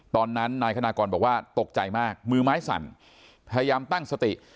ตอนนั้นนายคณะกรบอกว่าตกใจมากมือไม้สั่นพยายามตั้งสติ